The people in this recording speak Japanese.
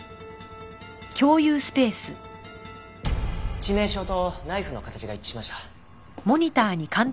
致命傷とナイフの形が一致しました。